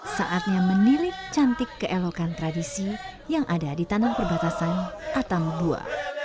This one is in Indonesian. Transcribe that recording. saatnya menilip cantik keelokan tradisi yang ada di tanah perbatasan atang bua